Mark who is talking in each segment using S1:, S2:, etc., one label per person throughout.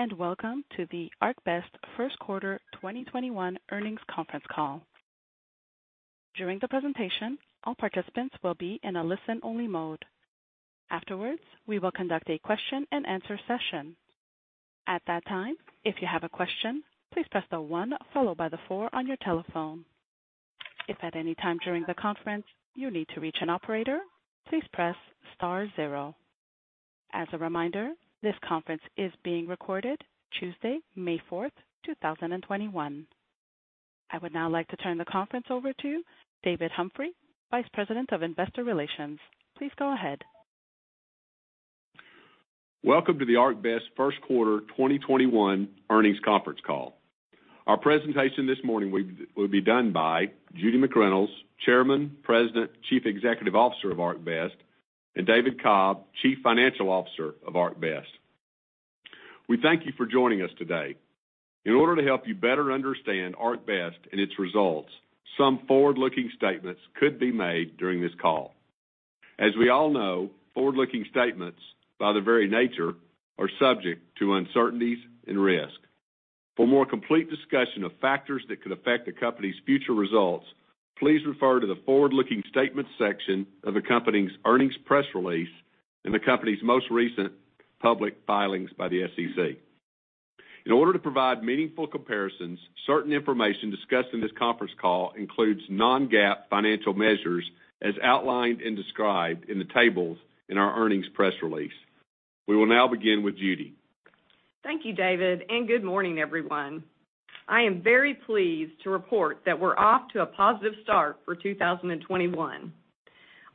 S1: Greetings, and welcome to the ArcBest First Quarter 2021 Earnings Conference Call. During the presentation, all participants will be in a listen-only mode. Afterwards, we will conduct a question-and-answer session. At that time, if you have a question, please press the 1 followed by the 4 on your telephone. If at any time during the conference you need to reach an operator, please press star zero. As a reminder, this conference is being recorded Tuesday, May 4, 2021. I would now like to turn the conference over to David Humphrey, Vice President of Investor Relations. Please go ahead.
S2: Welcome to the ArcBest First Quarter 2021 Earnings Conference Call. Our presentation this morning will be done by Judy McReynolds, Chairman, President, Chief Executive Officer of ArcBest, and David Cobb, Chief Financial Officer of ArcBest. We thank you for joining us today. In order to help you better understand ArcBest and its results, some forward-looking statements could be made during this call. As we all know, forward-looking statements, by their very nature, are subject to uncertainties and risk. For more complete discussion of factors that could affect the company's future results, please refer to the Forward-Looking Statements section of the company's earnings press release and the company's most recent public filings by the SEC. In order to provide meaningful comparisons, certain information discussed in this conference call includes non-GAAP financial measures, as outlined and described in the tables in our earnings press release. We will now begin with Judy.
S3: Thank you, David, and good morning, everyone. I am very pleased to report that we're off to a positive start for 2021.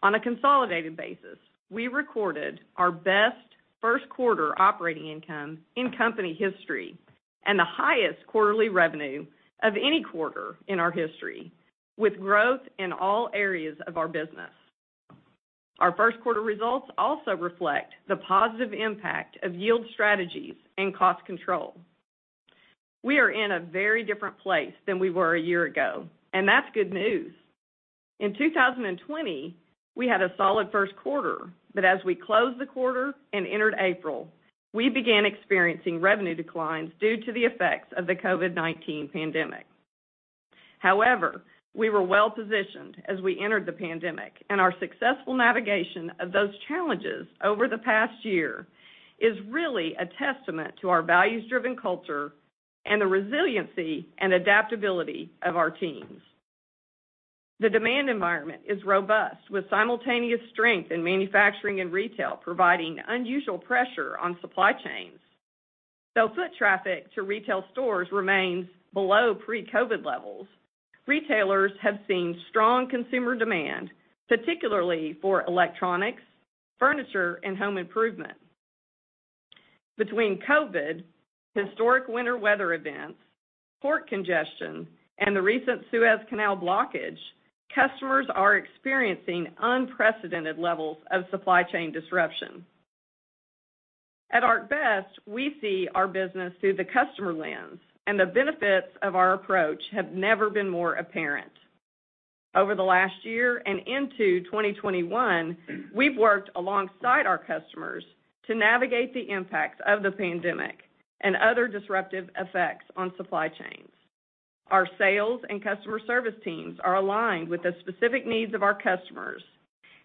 S3: On a consolidated basis, we recorded our best first quarter operating income in company history and the highest quarterly revenue of any quarter in our history, with growth in all areas of our business. Our first quarter results also reflect the positive impact of yield strategies and cost control. We are in a very different place than we were a year ago, and that's good news. In 2020, we had a solid first quarter, but as we closed the quarter and entered April, we began experiencing revenue declines due to the effects of the COVID-19 pandemic. However, we were well-positioned as we entered the pandemic, and our successful navigation of those challenges over the past year is really a testament to our values-driven culture and the resiliency and adaptability of our teams. The demand environment is robust, with simultaneous strength in manufacturing and retail, providing unusual pressure on supply chains. Though foot traffic to retail stores remains below pre-COVID levels, retailers have seen strong consumer demand, particularly for electronics, furniture, and home improvement. Between COVID, historic winter weather events, port congestion, and the recent Suez Canal blockage, customers are experiencing unprecedented levels of supply chain disruption. At ArcBest, we see our business through the customer lens, and the benefits of our approach have never been more apparent. Over the last year and into 2021, we've worked alongside our customers to navigate the impacts of the pandemic and other disruptive effects on supply chains. Our sales and customer service teams are aligned with the specific needs of our customers,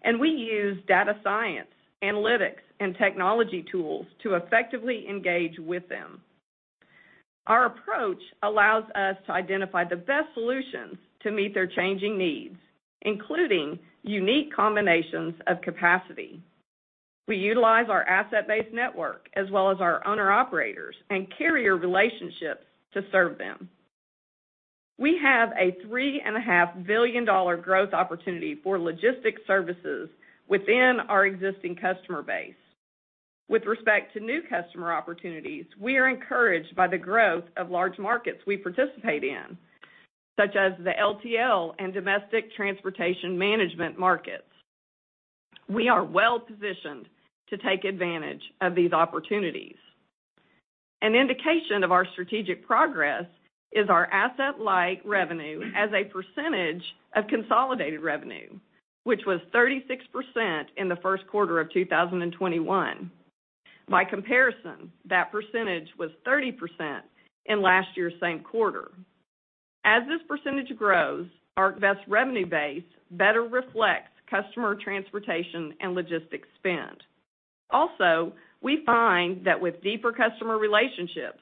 S3: and we use data science, analytics, and technology tools to effectively engage with them. Our approach allows us to identify the best solutions to meet their changing needs, including unique combinations of capacity. We utilize our Asset-Based network as well as our owner-operators and carrier relationships to serve them. We have a $3.5 billion growth opportunity for logistics services within our existing customer base. With respect to new customer opportunities, we are encouraged by the growth of large markets we participate in, such as the LTL and domestic transportation management markets. We are well-positioned to take advantage of these opportunities. An indication of our strategic progress is our Asset-Light revenue as a percentage of consolidated revenue, which was 36% in the first quarter of 2021. By comparison, that percentage was 30% in last year's same quarter. As this percentage grows, ArcBest's revenue base better reflects customer transportation and logistics spend. Also, we find that with deeper customer relationships,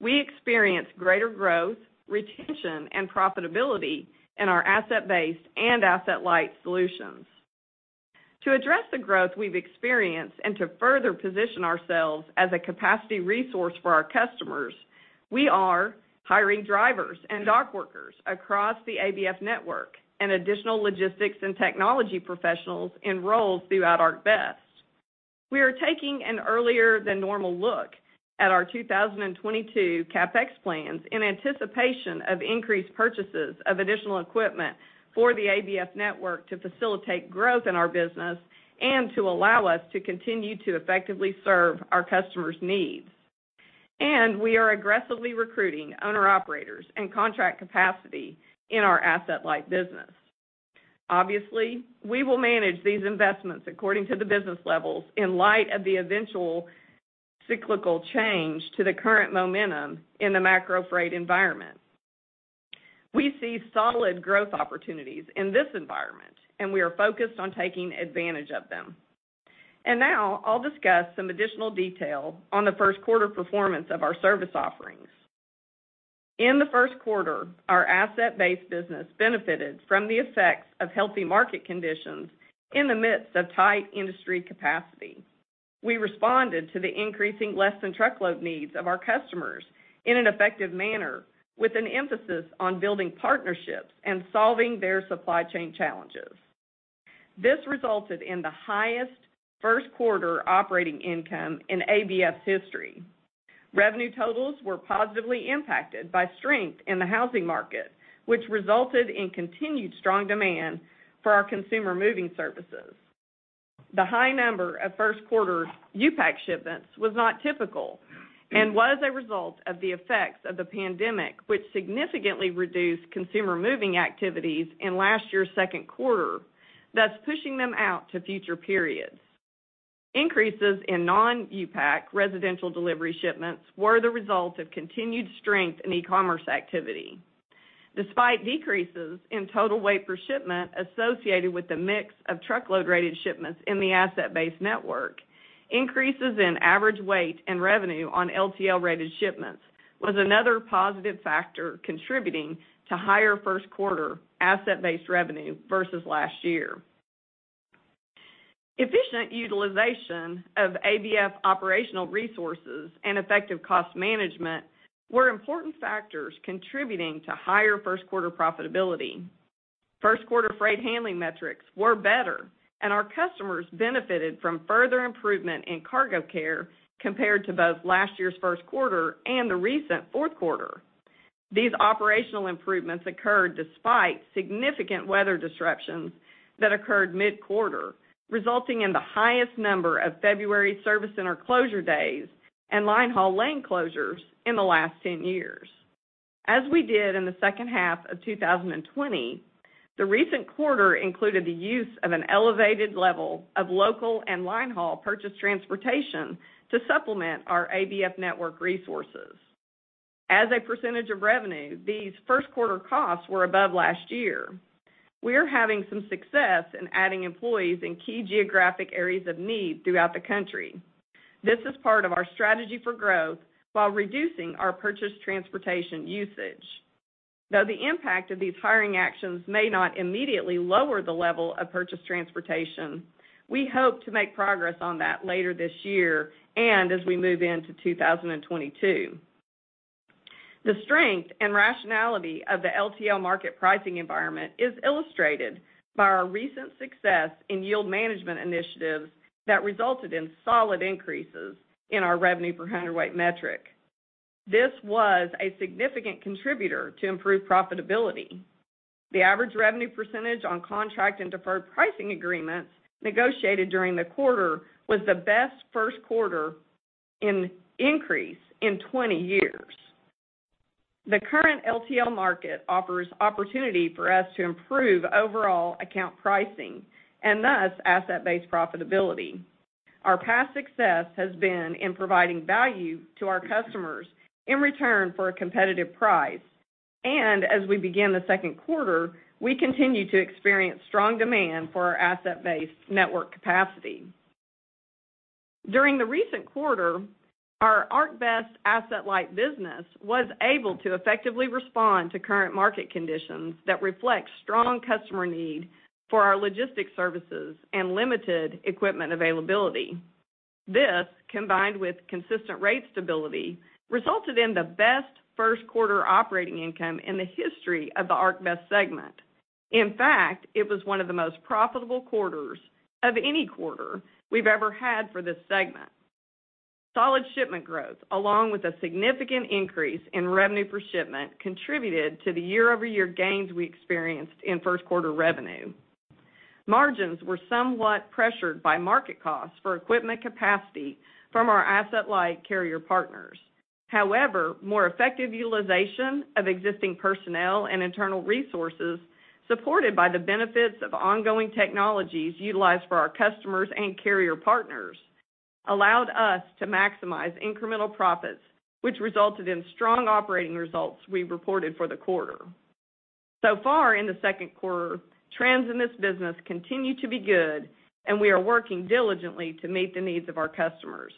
S3: we experience greater growth, retention, and profitability in our Asset-Based and Asset-Light solutions. To address the growth we've experienced and to further position ourselves as a capacity resource for our customers, we are hiring drivers and dock workers across the ABF network and additional logistics and technology professionals in roles throughout ArcBest. We are taking an earlier than normal look at our 2022 CapEx plans in anticipation of increased purchases of additional equipment for the ABF network to facilitate growth in our business and to allow us to continue to effectively serve our customers' needs. We are aggressively recruiting owner-operators and contract capacity in our Asset-Light business. Obviously, we will manage these investments according to the business levels in light of the eventual cyclical change to the current momentum in the macro freight environment. We see solid growth opportunities in this environment, and we are focused on taking advantage of them. And now I'll discuss some additional detail on the first quarter performance of our service offerings. In the first quarter, our Asset-Based business benefited from the effects of healthy market conditions in the midst of tight industry capacity. We responded to the increasing less-than-truckload needs of our customers in an effective manner, with an emphasis on building partnerships and solving their supply chain challenges. This resulted in the highest first quarter operating income in ABF's history. Revenue totals were positively impacted by strength in the housing market, which resulted in continued strong demand for our consumer moving services. The high number of first quarter U-Pack shipments was not typical and was a result of the effects of the pandemic, which significantly reduced consumer moving activities in last year's second quarter, thus pushing them out to future periods. Increases in non-U-Pack residential delivery shipments were the result of continued strength in e-commerce activity. Despite decreases in total weight per shipment associated with the mix of truckload-rated shipments in the Asset-Based network, increases in average weight and revenue on LTL-rated shipments was another positive factor contributing to higher first quarter Asset-Based revenue versus last year. Efficient utilization of ABF operational resources and effective cost management were important factors contributing to higher first quarter profitability. First quarter freight handling metrics were better, and our customers benefited from further improvement in cargo care compared to both last year's first quarter and the recent fourth quarter. These operational improvements occurred despite significant weather disruptions that occurred mid-quarter, resulting in the highest number of February service center closure days and linehaul lane closures in the last 10 years. As we did in the second half of 2020, the recent quarter included the use of an elevated level of local and linehaul purchased transportation to supplement our ABF network resources. As a percentage of revenue, these first quarter costs were above last year. We are having some success in adding employees in key geographic areas of need throughout the country. This is part of our strategy for growth while reducing our purchased transportation usage. Though the impact of these hiring actions may not immediately lower the level of purchased transportation, we hope to make progress on that later this year and as we move into 2022. The strength and rationality of the LTL market pricing environment is illustrated by our recent success in yield management initiatives that resulted in solid increases in our revenue per hundredweight metric. This was a significant contributor to improved profitability. The average revenue percentage on contract and deferred pricing agreements negotiated during the quarter was the best first quarter increase in 20 years. The current LTL market offers opportunity for us to improve overall account pricing and, thus, Asset-Based profitability. Our past success has been in providing value to our customers in return for a competitive price, and as we begin the second quarter, we continue to experience strong demand for our Asset-Based network capacity. During the recent quarter, our ArcBest Asset-Light business was able to effectively respond to current market conditions that reflect strong customer need for our logistics services and limited equipment availability. This, combined with consistent rate stability, resulted in the best first quarter operating income in the history of the ArcBest segment. In fact, it was one of the most profitable quarters of any quarter we've ever had for this segment. Solid shipment growth, along with a significant increase in revenue per shipment, contributed to the year-over-year gains we experienced in first quarter revenue. Margins were somewhat pressured by market costs for equipment capacity from our Asset-Light carrier partners. However, more effective utilization of existing personnel and internal resources, supported by the benefits of ongoing technologies utilized for our customers and carrier partners, allowed us to maximize incremental profits, which resulted in strong operating results we reported for the quarter. So far in the second quarter, trends in this business continue to be good, and we are working diligently to meet the needs of our customers.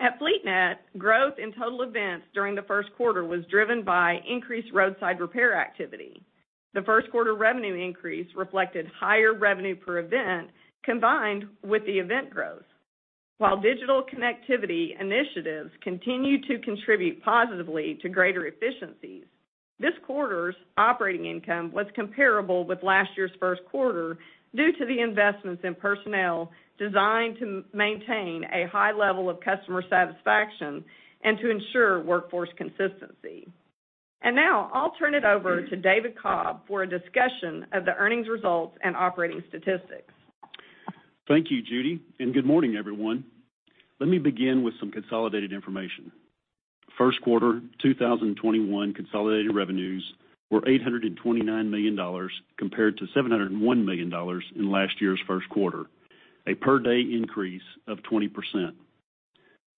S3: At FleetNet, growth in total events during the first quarter was driven by increased roadside repair activity. The first quarter revenue increase reflected higher revenue per event combined with the event growth. While digital connectivity initiatives continue to contribute positively to greater efficiencies, this quarter's operating income was comparable with last year's first quarter due to the investments in personnel designed to maintain a high level of customer satisfaction and to ensure workforce consistency. Now I'll turn it over to David Cobb for a discussion of the earnings results and operating statistics....
S4: Thank you, Judy, and good morning, everyone. Let me begin with some consolidated information. First quarter 2021 consolidated revenues were $829 million, compared to $701 million in last year's first quarter, a per-day increase of 20%.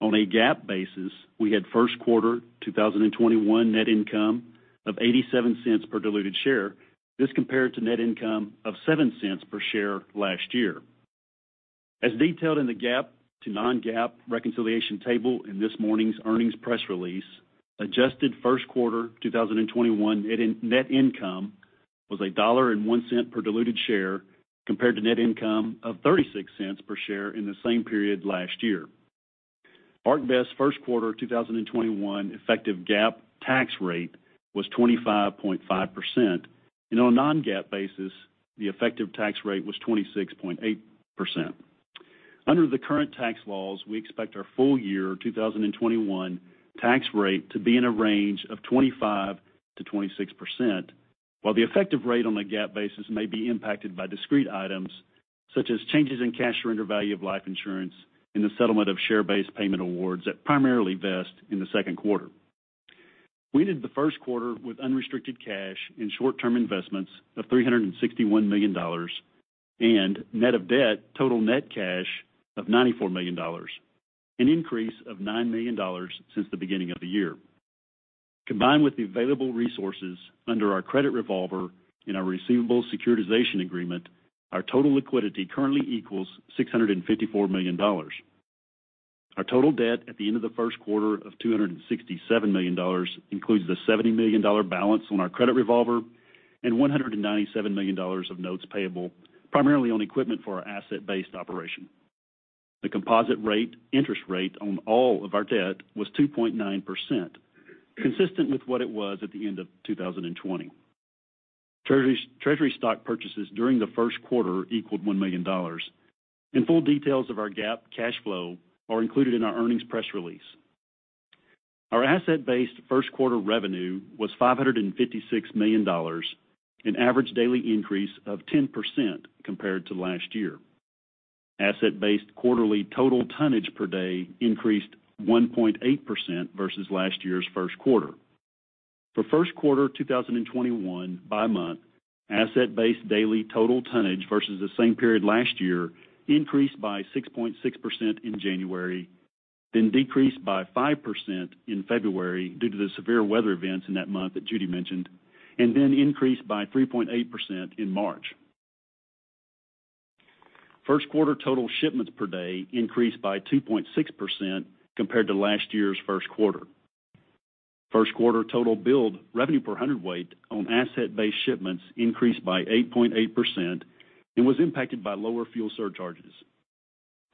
S4: On a GAAP basis, we had first quarter 2021 net income of $0.87 per diluted share. This compared to net income of $0.07 per share last year. As detailed in the GAAP to non-GAAP reconciliation table in this morning's earnings press release, adjusted first quarter 2021 net income was $1.01 per diluted share, compared to net income of $0.36 per share in the same period last year. ArcBest's first quarter 2021 effective GAAP tax rate was 25.5%, and on a non-GAAP basis, the effective tax rate was 26.8%. Under the current tax laws, we expect our full year 2021 tax rate to be in a range of 25%-26%, while the effective rate on a GAAP basis may be impacted by discrete items, such as changes in cash surrender value of life insurance and the settlement of share-based payment awards that primarily vest in the second quarter. We ended the first quarter with unrestricted cash and short-term investments of $361 million and net of debt, total net cash of $94 million, an increase of $9 million since the beginning of the year. Combined with the available resources under our credit revolver and our receivable securitization agreement, our total liquidity currently equals $654 million. Our total debt at the end of the first quarter of $267 million includes the $70 million balance on our credit revolver and $197 million of notes payable, primarily on equipment for our Asset-Based operation. The composite rate, interest rate on all of our debt was 2.9%, consistent with what it was at the end of 2020. Treasury stock purchases during the first quarter equaled $1 million, and full details of our GAAP cash flow are included in our earnings press release. Our Asset-Based first quarter revenue was $556 million, an average daily increase of 10% compared to last year. Asset-Based quarterly total tonnage per day increased 1.8% versus last year's first quarter. For first quarter 2021, by month, Asset-Based daily total tonnage versus the same period last year increased by 6.6% in January, then decreased by 5% in February due to the severe weather events in that month that Judy mentioned, and then increased by 3.8% in March. First quarter total shipments per day increased by 2.6% compared to last year's first quarter. First quarter total billed revenue per hundredweight on Asset-Based shipments increased by 8.8% and was impacted by lower fuel surcharges.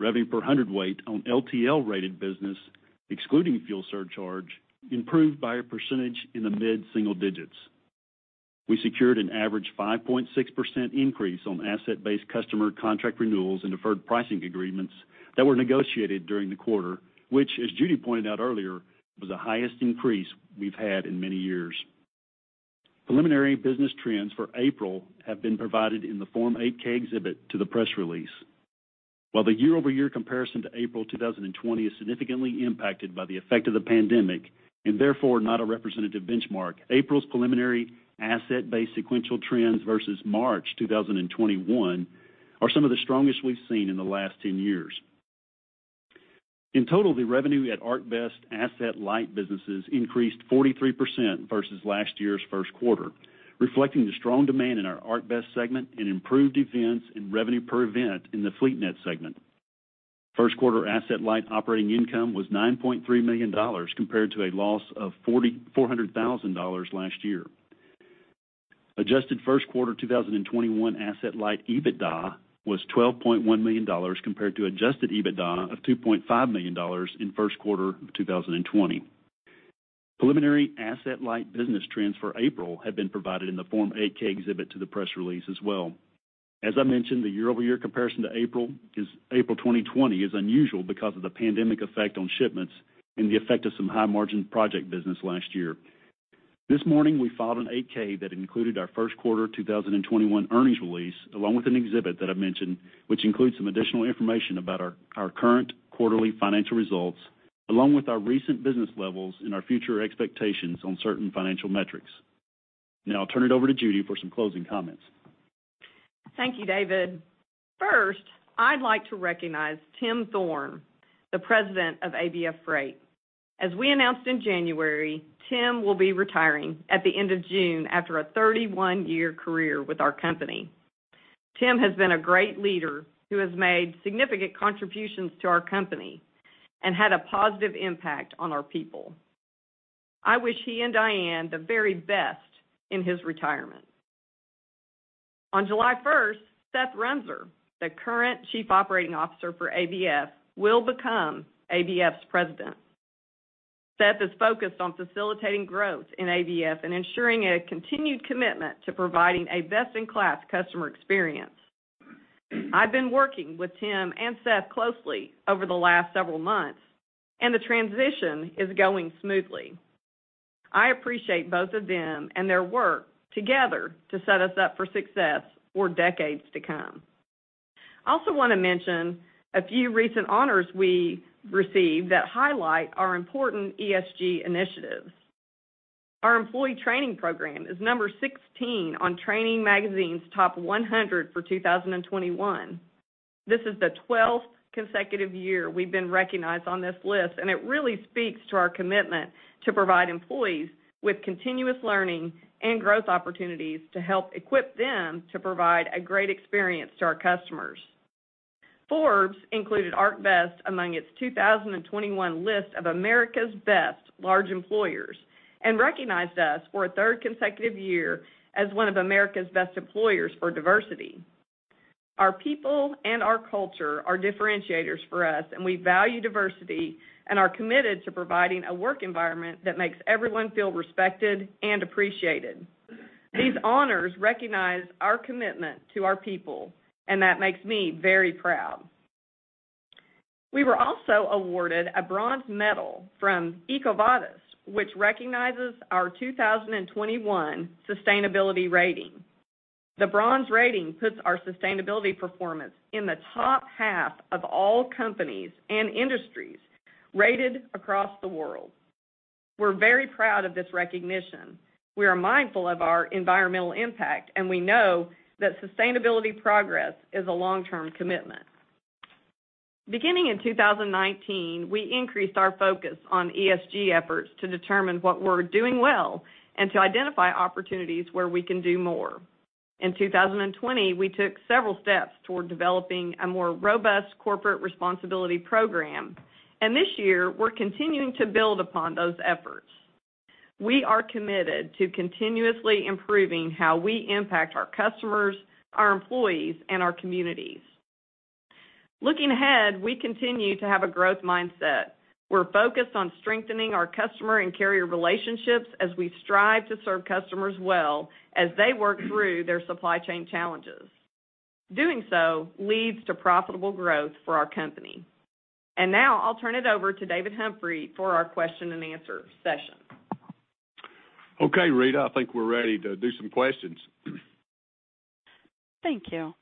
S4: Revenue per hundredweight on LTL-rated business, excluding fuel surcharge, improved by a percentage in the mid-single digits. We secured an average 5.6% increase on Asset-Based customer contract renewals and deferred pricing agreements that were negotiated during the quarter, which, as Judy pointed out earlier, was the highest increase we've had in many years. Preliminary business trends for April have been provided in the Form 8-K exhibit to the press release. While the year-over-year comparison to April 2020 is significantly impacted by the effect of the pandemic, and therefore not a representative benchmark, April's preliminary Asset-Based sequential trends versus March 2021 are some of the strongest we've seen in the last 10 years. In total, the revenue at ArcBest Asset-Light businesses increased 43% versus last year's first quarter, reflecting the strong demand in our ArcBest segment and improved events and revenue per event in the FleetNet segment. First quarter Asset-Light operating income was $9.3 million, compared to a loss of $4.4 million last year. Adjusted first quarter 2021 Asset-Light EBITDA was $12.1 million, compared to adjusted EBITDA of $2.5 million in first quarter of 2020. Preliminary Asset-Light business trends for April have been provided in the Form 8-K exhibit to the press release as well. As I mentioned, the year-over-year comparison to April is, April 2020 is unusual because of the pandemic effect on shipments and the effect of some high-margin project business last year. This morning, we filed an 8-K that included our first quarter 2021 earnings release, along with an exhibit that I mentioned, which includes some additional information about our current quarterly financial results, along with our recent business levels and our future expectations on certain financial metrics. Now I'll turn it over to Judy for some closing comments.
S3: Thank you, David. First, I'd like to recognize Tim Thorne, the President of ABF Freight. As we announced in January, Tim will be retiring at the end of June after a 31-year career with our company. Tim has been a great leader who has made significant contributions to our company and had a positive impact on our people. I wish he and Diane the very best in his retirement. On July first, Seth Runser, the current Chief Operating Officer for ABF, will become ABF's President. Seth is focused on facilitating growth in ABF and ensuring a continued commitment to providing a best-in-class customer experience. I've been working with Tim and Seth closely over the last several months, and the transition is going smoothly. I appreciate both of them and their work together to set us up for success for decades to come. I also want to mention a few recent honors we received that highlight our important ESG initiatives. Our employee training program is number 16 on Training Magazine's Top 100 for 2021. This is the 12th consecutive year we've been recognized on this list, and it really speaks to our commitment to provide employees with continuous learning and growth opportunities to help equip them to provide a great experience to our customers. Forbes included ArcBest among its 2021 list of America's Best Large Employers, and recognized us for a third consecutive year as one of America's Best Employers for Diversity. Our people and our culture are differentiators for us, and we value diversity and are committed to providing a work environment that makes everyone feel respected and appreciated. These honors recognize our commitment to our people, and that makes me very proud. We were also awarded a bronze medal from EcoVadis, which recognizes our 2021 sustainability rating. The bronze rating puts our sustainability performance in the top half of all companies and industries rated across the world. We're very proud of this recognition. We are mindful of our environmental impact, and we know that sustainability progress is a long-term commitment. Beginning in 2019, we increased our focus on ESG efforts to determine what we're doing well and to identify opportunities where we can do more. In 2020, we took several steps toward developing a more robust corporate responsibility program, and this year, we're continuing to build upon those efforts. We are committed to continuously improving how we impact our customers, our employees, and our communities. Looking ahead, we continue to have a growth mindset. We're focused on strengthening our customer and carrier relationships as we strive to serve customers well as they work through their supply chain challenges. Doing so leads to profitable growth for our company. Now I'll turn it over to David Humphrey for our question and answer session.
S4: Okay, Rita, I think we're ready to do some questions.
S1: Thank you.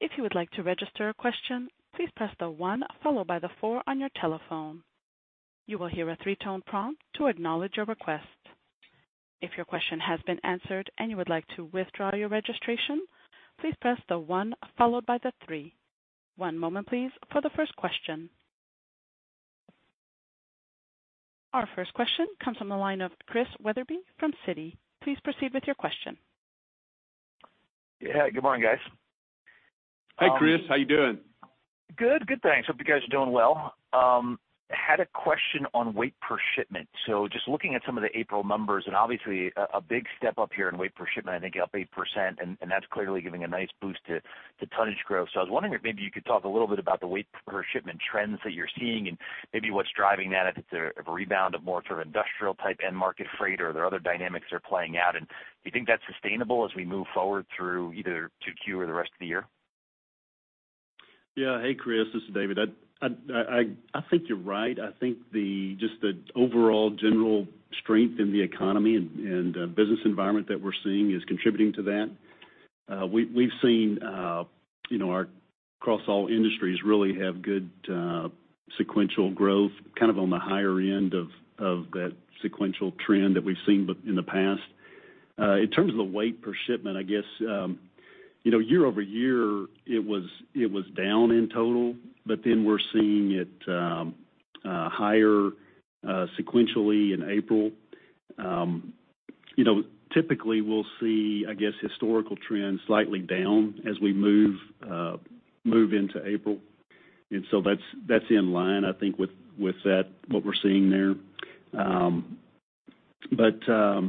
S1: If you would like to register a question, please press the one followed by the four on your telephone. You will hear a three-tone prompt to acknowledge your request. If your question has been answered and you would like to withdraw your registration, please press the one followed by the three. One moment, please, for the first question. Our first question comes from the line of Chris Wetherbee from Citi. Please proceed with your question.
S5: Yeah, good morning, guys.
S4: Hey, Chris, how you doing?
S5: Good. Good, thanks. Hope you guys are doing well. Had a question on weight per shipment. So just looking at some of the April numbers, and obviously a big step up here in weight per shipment, I think up 8%, and that's clearly giving a nice boost to tonnage growth. So I was wondering if maybe you could talk a little bit about the weight per shipment trends that you're seeing and maybe what's driving that, if it's a rebound of more sort of industrial type end-market freight or there are other dynamics that are playing out. And do you think that's sustainable as we move forward through either 2Q or the rest of the year?
S4: Yeah. Hey, Chris, this is David. I think you're right. I think just the overall general strength in the economy and business environment that we're seeing is contributing to that. We've seen, you know, our across all industries really have good sequential growth, kind of on the higher end of that sequential trend that we've seen in the past. In terms of the weight per shipment, I guess, you know, year-over-year, it was down in total, but then we're seeing it higher sequentially in April. You know, typically, we'll see, I guess, historical trends slightly down as we move into April. And so that's in line, I think, with what we're seeing there. But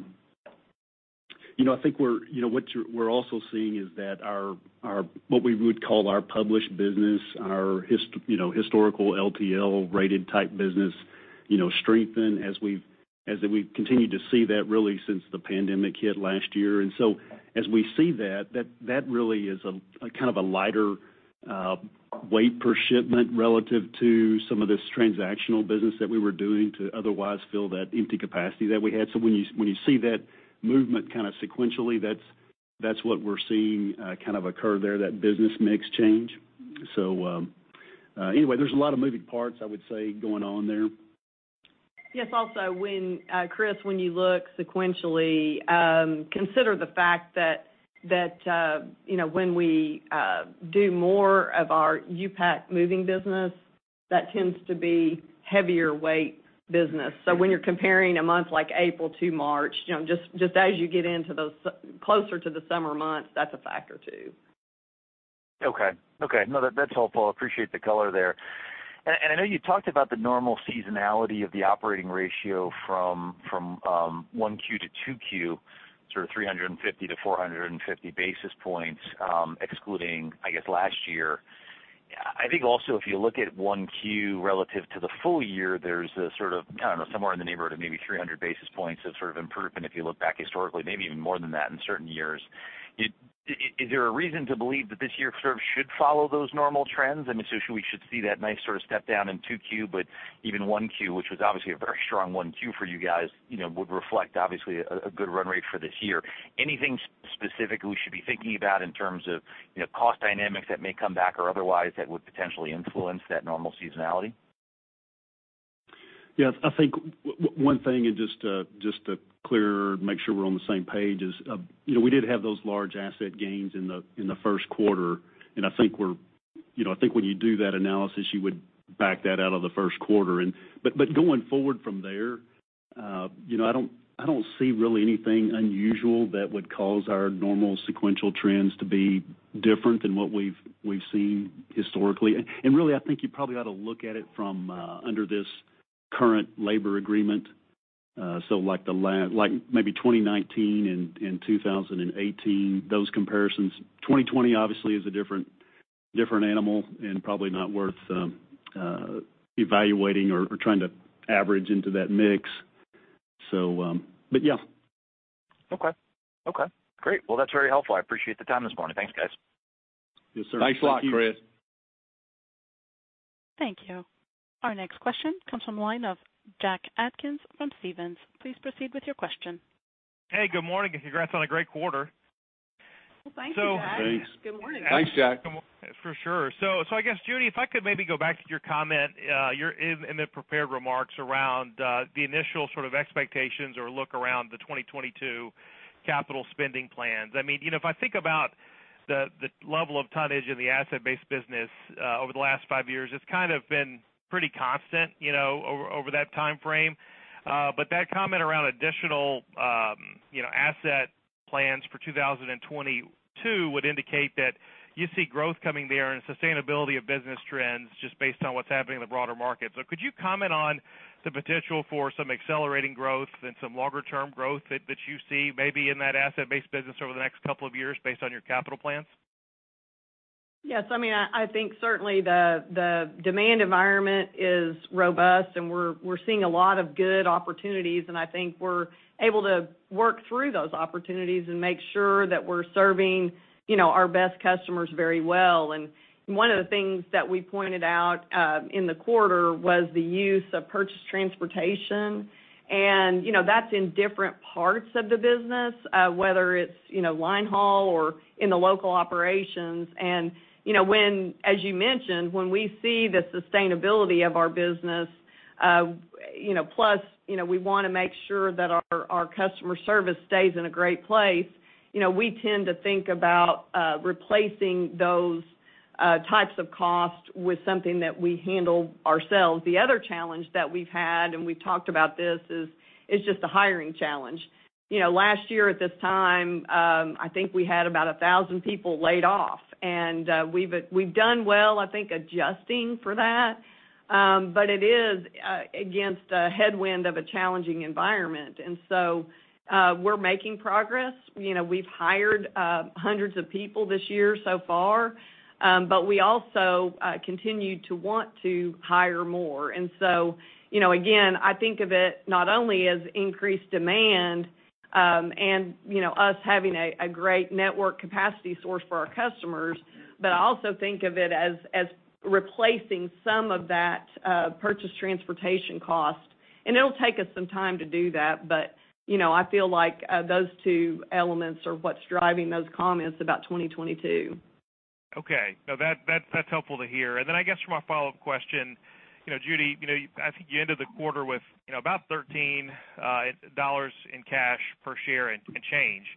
S4: you know, I think we're you know, what you're we're also seeing is that our, our, what we would call our published business, our historical LTL rated type business, you know, strengthen as we've, as we've continued to see that really since the pandemic hit last year. And so as we see that really is a kind of a lighter weight per shipment relative to some of this transactional business that we were doing to otherwise fill that empty capacity that we had. So when you see that movement kind of sequentially, that's what we're seeing kind of occur there, that business mix change. So anyway, there's a lot of moving parts, I would say, going on there.
S3: Yes, also, when, Chris, when you look sequentially, consider the fact that, that, you know, when we do more of our U-Pack moving business, that tends to be heavier weight business. So when you're comparing a month like April to March, you know, just, just as you get into those closer to the summer months, that's a factor, too.
S5: Okay. Okay, no, that's helpful. I appreciate the color there. And, and I know you talked about the normal seasonality of the operating ratio from, from, 1Q to 2Q, sort of 350-450 basis points, excluding, I guess, last year. I think also, if you look at 1Q relative to the full year, there's a sort of, I don't know, somewhere in the neighborhood of maybe 300 basis points of sort of improvement, if you look back historically, maybe even more than that in certain years. Is, is there a reason to believe that this year sort of should follow those normal trends? I mean, so we should see that nice sort of step down in 2Q, but even 1Q, which was obviously a very strong 1Q for you guys, you know, would reflect obviously a good run rate for this year. Anything specific we should be thinking about in terms of, you know, cost dynamics that may come back or otherwise, that would potentially influence that normal seasonality?
S4: Yes, I think one thing, and just to clear, make sure we're on the same page is, you know, we did have those large asset gains in the first quarter, and I think you know, I think when you do that analysis, you would back that out of the first quarter. But going forward from there, you know, I don't see really anything unusual that would cause our normal sequential trends to be different than what we've seen historically. And really, I think you probably ought to look at it from under this current labor agreement. So like maybe 2019 and 2018, those comparisons. 2020 obviously is a different animal and probably not worth evaluating or trying to average into that mix. So, but yeah.
S5: Okay. Okay, great. Well, that's very helpful. I appreciate the time this morning. Thanks, guys.
S4: Yes, sir.
S2: Thanks a lot, Chris.
S1: Thank you. Our next question comes from the line of Jack Atkins from Stephens. Please proceed with your question.
S6: Hey, good morning, and congrats on a great quarter.
S3: Well, thank you, Jack.
S4: Thanks.
S3: Good morning.
S4: Thanks, Jack.
S6: For sure. So I guess, Judy, if I could maybe go back to your comment, your in the prepared remarks around the initial sort of expectations or look around the 2022 capital spending plans. I mean, you know, if I think about the level of tonnage in the Asset-Based business over the last five years, it's kind of been pretty constant, you know, over that time frame. But that comment around additional, you know, asset plans for 2022 would indicate that you see growth coming there and sustainability of business trends just based on what's happening in the broader market. So could you comment on the potential for some accelerating growth and some longer term growth that you see maybe in that Asset-Based business over the next couple of years based on your capital plans?
S3: Yes. I mean, I think certainly the demand environment is robust, and we're seeing a lot of good opportunities, and I think we're able to work through those opportunities and make sure that we're serving, you know, our best customers very well. And one of the things that we pointed out in the quarter was the use of purchased transportation, and, you know, that's in different parts of the business, whether it's, you know, linehaul or in the local operations. And, you know, as you mentioned, when we see the sustainability of our business, you know, plus, you know, we want to make sure that our customer service stays in a great place, you know, we tend to think about replacing those types of costs with something that we handle ourselves. The other challenge that we've had, and we've talked about this, is just the hiring challenge. You know, last year at this time, I think we had about 1,000 people laid off, and we've done well, I think, adjusting for that. But it is against a headwind of a challenging environment, and so we're making progress. You know, we've hired hundreds of people this year so far, but we also continue to want to hire more. And so, you know, again, I think of it not only as increased demand, and, you know, us having a great network capacity source for our customers, but I also think of it as replacing some of that purchased transportation cost, and it'll take us some time to do that. But, you know, I feel like those two elements are what's driving those comments about 2022.
S6: Okay. No, that's helpful to hear. And then I guess for my follow-up question, you know, Judy, you know, I think you ended the quarter with, you know, about $13 in cash per share and change.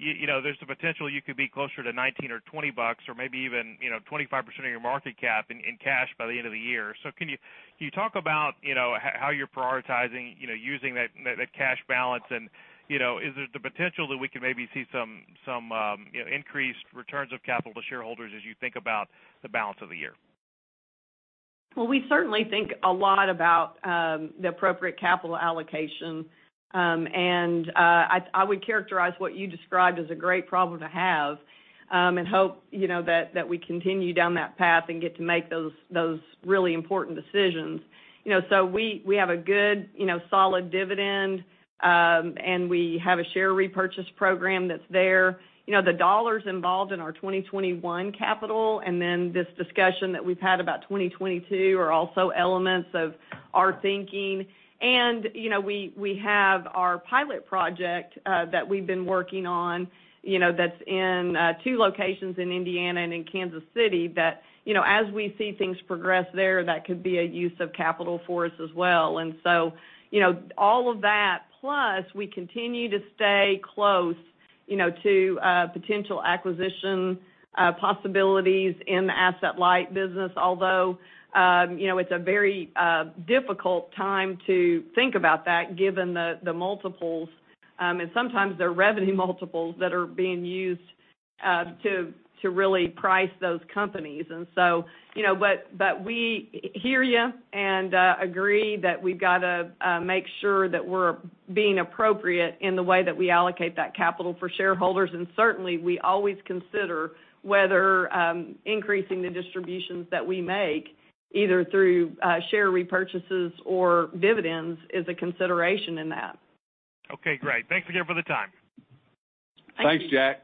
S6: You know, there's the potential you could be closer to $19 or $20 bucks or maybe even, you know, 25% of your market cap in cash by the end of the year. So can you talk about, you know, how you're prioritizing, you know, using that cash balance? And, you know, is there the potential that we can maybe see some increased returns of capital to shareholders as you think about the balance of the year?
S3: Well, we certainly think a lot about the appropriate capital allocation. And I would characterize what you described as a great problem to have, and hope, you know, that we continue down that path and get to make those really important decisions. You know, so we have a good, you know, solid dividend, and we have a share repurchase program that's there. You know, the dollars involved in our 2021 capital, and then this discussion that we've had about 2022 are also elements of our thinking. And, you know, we have our pilot project that we've been working on, you know, that's in two locations in Indiana and in Kansas City, that, you know, as we see things progress there, that could be a use of capital for us as well. And so, you know, all of that, plus we continue to stay close, you know, to potential acquisition possibilities in the Asset-Light business. Although, you know, it's a very difficult time to think about that given the multiples, and sometimes the revenue multiples that are being used to really price those companies. And so, you know, but we hear you and agree that we've got to make sure that we're being appropriate in the way that we allocate that capital for shareholders. And certainly, we always consider whether increasing the distributions that we make, either through share repurchases or dividends, is a consideration in that.
S6: Okay, great. Thanks again for the time.
S3: Thank you.
S7: Thanks, Jack.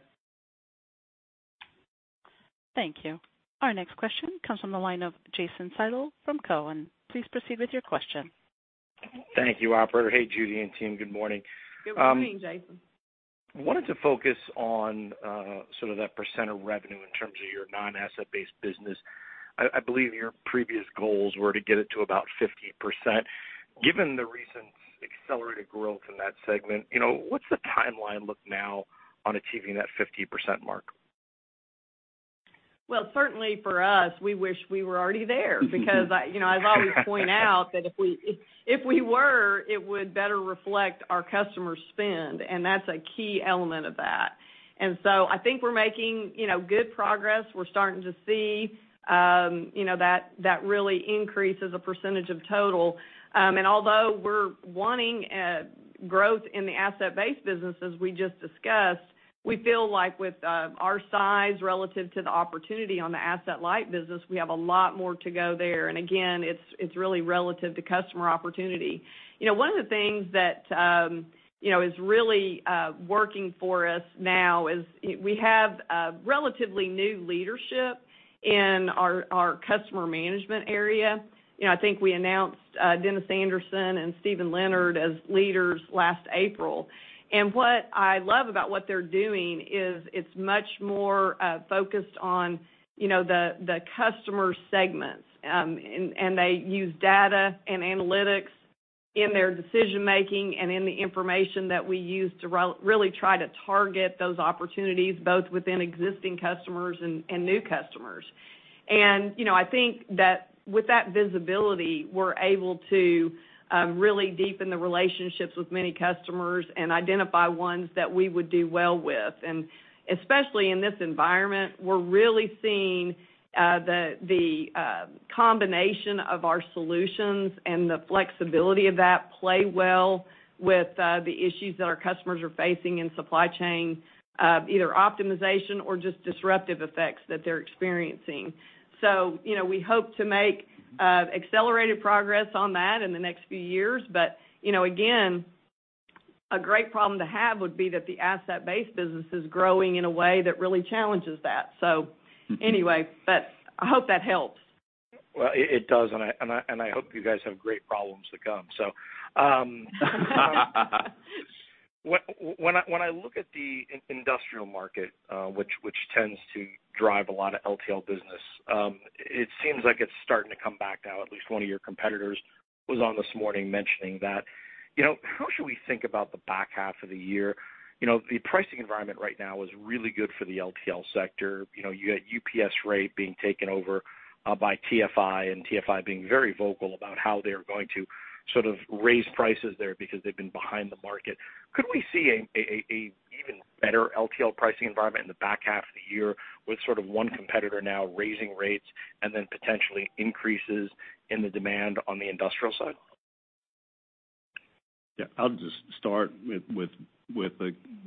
S1: Thank you. Our next question comes from the line of Jason Seidl from Cowen. Please proceed with your question.
S8: Thank you, operator. Hey, Judy and team, good morning.
S3: Good morning, Jason.
S8: I wanted to focus on sort of that percent of revenue in terms of your non-Asset-Based business. I believe your previous goals were to get it to about 50%. Given the recent accelerated growth in that segment, you know, what's the timeline look now on achieving that 50% mark?
S3: Well, certainly for us, we wish we were already there, because I, you know, I've always pointed out that if we, if we were, it would better reflect our customer spend, and that's a key element of that. And so I think we're making, you know, good progress. We're starting to see, you know, that, that really increases the percentage of total. And although we're wanting, growth in the Asset-Based business, as we just discussed, we feel like with, our size relative to the opportunity on the Asset-Light business, we have a lot more to go there. And again, it's, it's really relative to customer opportunity. You know, one of the things that, you know, is really, working for us now is we have a relatively new leadership in our, our customer management area. You know, I think we announced, Dennis Anderson and Steven Leonard as leaders last April. And what I love about what they're doing is it's much more, focused on, you know, the customer segments. And they use data and analytics in their decision making and in the information that we use to really try to target those opportunities, both within existing customers and new customers. And, you know, I think that with that visibility, we're able to, really deepen the relationships with many customers and identify ones that we would do well with. And especially in this environment, we're really seeing, the combination of our solutions and the flexibility of that play well with, the issues that our customers are facing in supply chain, either optimization or just disruptive effects that they're experiencing. So, you know, we hope to make accelerated progress on that in the next few years. But, you know, again, a great problem to have would be that the Asset-Based business is growing in a way that really challenges that. So- Anyway, but I hope that helps.
S8: Well, it does, and I hope you guys have great problems to come. So, when I look at the industrial market, which tends to drive a lot of LTL business, it seems like it's starting to come back now. At least one of your competitors was on this morning mentioning that. You know, how should we think about the back half of the year? You know, the pricing environment right now is really good for the LTL sector. You know, you got UPS Freight being taken over by TFI, and TFI being very vocal about how they're going to sort of raise prices there because they've been behind the market. Could we see an even better LTL pricing environment in the back half of the year with sort of one competitor now raising rates and then potentially increases in the demand on the industrial side?
S4: Yeah, I'll just start with,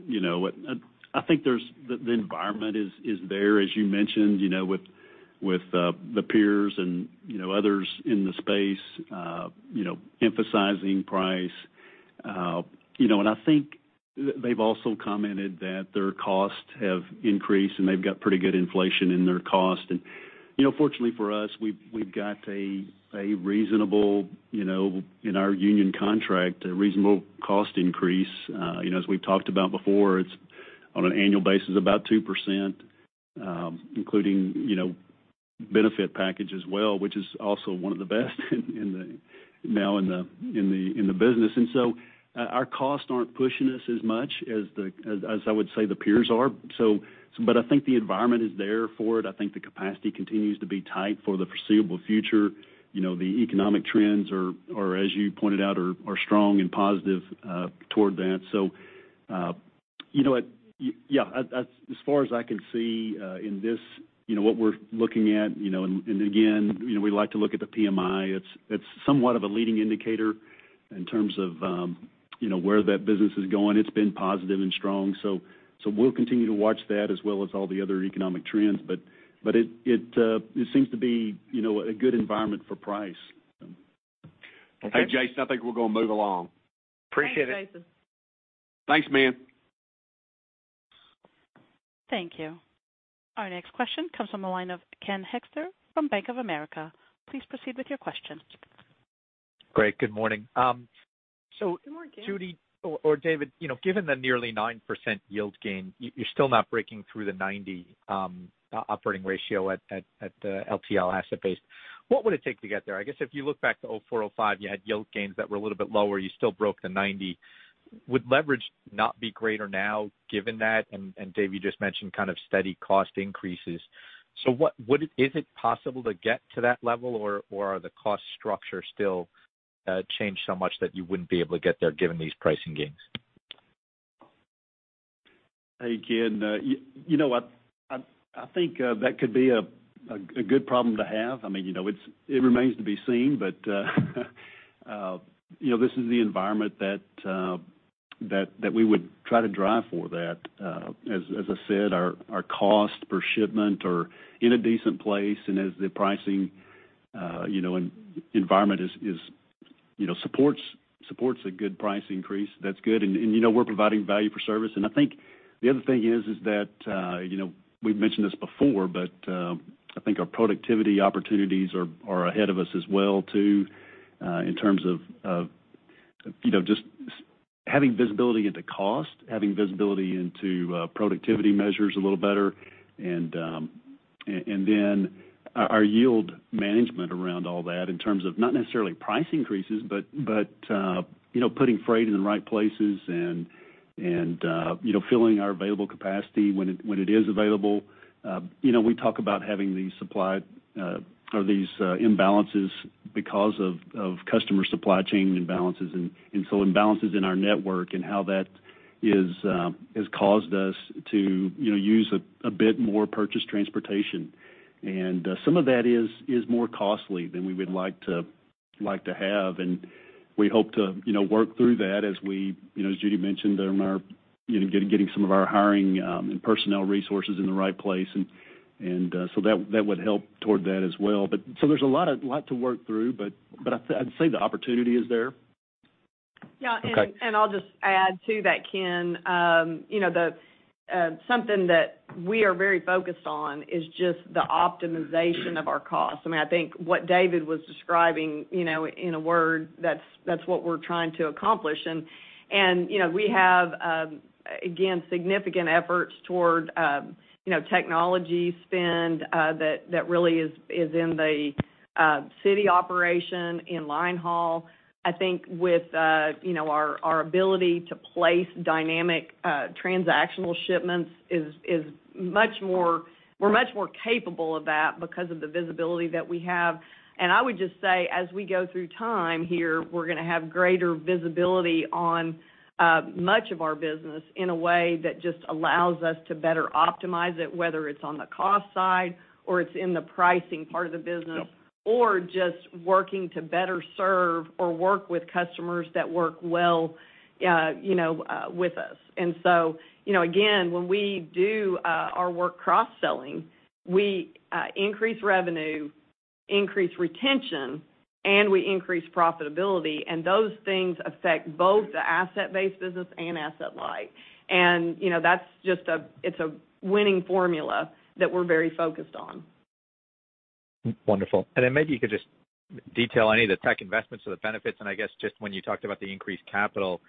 S4: you know what? I think there's the environment is there, as you mentioned, you know, with the peers and, you know, others in the space, you know, emphasizing price. You know, and I think they've also commented that their costs have increased, and they've got pretty good inflation in their cost. And, you know, fortunately for us, we've got a reasonable, you know, in our union contract, a reasonable cost increase. You know, as we've talked about before, it's on an annual basis, about 2%, including, you know, benefit package as well, which is also one of the best in the now in the business. And so our costs aren't pushing us as much as as I would say, the peers are. But I think the environment is there for it. I think the capacity continues to be tight for the foreseeable future. You know, the economic trends are, as you pointed out, strong and positive toward that. So, you know what? Yeah, as far as I can see, in this, you know, what we're looking at, you know, and again, you know, we like to look at the PMI. It's somewhat of a leading indicator in terms of, you know, where that business is going. It's been positive and strong. So we'll continue to watch that as well as all the other economic trends. But it seems to be, you know, a good environment for price.
S8: Okay.
S4: Hey, Jason, I think we're gonna move along.
S8: Appreciate it.
S3: Thanks, Jason.
S4: Thanks, man.
S1: Thank you. Our next question comes from the line of Ken Hoexter from Bank of America. Please proceed with your question.
S9: Great. Good morning.
S3: Good morning, Ken....
S9: Judy or David, you know, given the nearly 9% yield gain, you're still not breaking through the 90 operating ratio at the LTL asset base. What would it take to get there? I guess if you look back to 2004, 2005, you had yield gains that were a little bit lower, you still broke the 90. Would leverage not be greater now given that? And Dave, you just mentioned kind of steady cost increases. So is it possible to get to that level, or are the cost structure still changed so much that you wouldn't be able to get there given these pricing gains?
S4: Hey, Ken, you know what? I think that could be a good problem to have. I mean, you know, it remains to be seen, but, you know, this is the environment that we would try to drive for that. As I said, our cost per shipment are in a decent place, and as the pricing, you know, and environment is, you know, supports a good price increase, that's good. And, you know, we're providing value for service. And I think the other thing is that, you know, we've mentioned this before, but, I think our productivity opportunities are ahead of us as well, too, in terms of, you know, just having visibility into cost, having visibility into, productivity measures a little better. And then our yield management around all that in terms of not necessarily price increases, but you know, putting freight in the right places and you know, filling our available capacity when it is available. You know, we talk about having these supply or these imbalances because of customer supply chain imbalances, and so imbalances in our network and how that has caused us to you know, use a bit more purchased transportation. And some of that is more costly than we would like to have, and we hope to you know, work through that as we you know, as Judy mentioned, during our you know, getting some of our hiring and personnel resources in the right place. So that would help toward that as well. But so there's a lot to work through, but I'd say the opportunity is there.
S3: Yeah.
S4: Okay.
S3: And I'll just add to that, Ken. You know, the something that we are very focused on is just the optimization of our costs. I mean, I think what David was describing, you know, in a word, that's what we're trying to accomplish. And you know, we have, again, significant efforts toward, you know, technology spend that really is in the city operation in linehaul. I think with, you know, our ability to place dynamic transactional shipments is much more... We're much more capable of that because of the visibility that we have. I would just say, as we go through time here, we're going to have greater visibility on much of our business in a way that just allows us to better optimize it, whether it's on the cost side or it's in the pricing part of the business-
S4: Yep...
S3: or just working to better serve or work with customers that work well, you know, with us. And so, you know, again, when we do our work cross-selling, we increase revenue, increase retention, and we increase profitability, and those things affect both the Asset-Based business and Asset-Light. And, you know, that's just, it's a winning formula that we're very focused on.
S9: Wonderful. Then maybe you could just detail any of the tech investments or the benefits. I guess, just when you talked about the increased capital,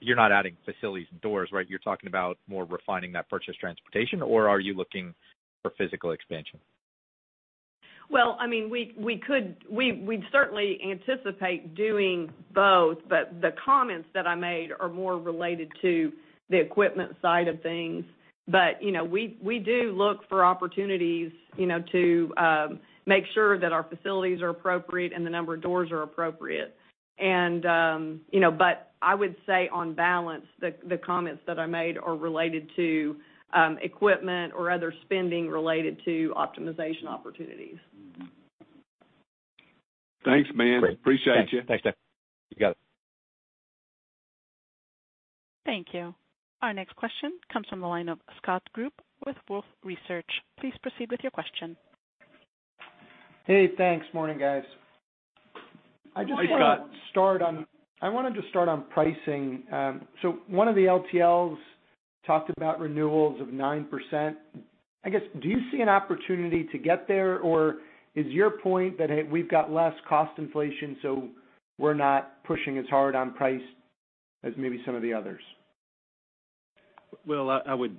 S9: you're not adding facilities and doors, right? You're talking about more refining that purchased transportation, or are you looking for physical expansion?
S3: Well, I mean, we could... We'd certainly anticipate doing both, but the comments that I made are more related to the equipment side of things. But, you know, we do look for opportunities, you know, to make sure that our facilities are appropriate and the number of doors are appropriate. And, you know, but I would say on balance, the comments that I made are related to equipment or other spending related to optimization opportunities.
S4: Thanks, man.
S9: Great.
S4: Appreciate you.
S9: Thanks. Thanks, David. You got it.
S1: Thank you. Our next question comes from the line of Scott Group with Wolfe Research. Please proceed with your question.
S7: Hey, thanks. Morning, guys.
S4: Hey, Scott.
S7: I wanted to start on pricing. So one of the LTLs talked about renewals of 9%. I guess, do you see an opportunity to get there, or is your point that, hey, we've got less cost inflation, so we're not pushing as hard on price as maybe some of the others?
S4: Well, I would